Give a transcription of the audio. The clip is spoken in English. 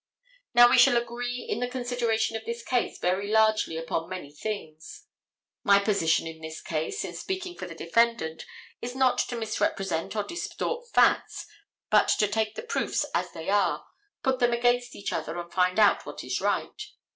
Now, we shall agree in the consideration of this case very largely upon many things. My position in this case, in speaking for the defendant, is not to misrepresent or distort facts, but to take the proofs as they are, put them against each other and find out what is right.